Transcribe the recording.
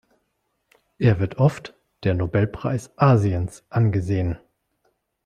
Er wird oft der Nobelpreis Asiens angesehen.